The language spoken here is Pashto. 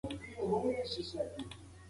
غلام ته د ازادۍ زېری په ډېره خوښۍ ورکړل شو.